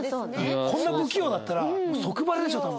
こんな不器用だったら即バレでしょう多分。